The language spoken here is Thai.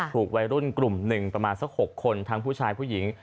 ถูกวัยรุ่นกลุ่มหนึ่งประมาณสัก๖คนทั้งผู้ชายผู้หญิง